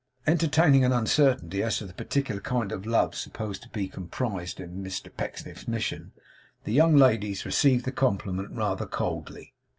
Entertaining an uncertainty as to the particular kind of love supposed to be comprised in Mr Pecksniff's mission, the young ladies received the compliment rather coldly.